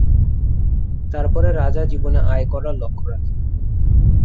তারপরে রাজা জীবনে আয় করার লক্ষ্য রাখে।